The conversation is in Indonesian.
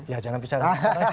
ya jangan bicara